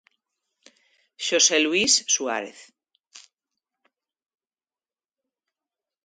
Xosé Luís Suárez.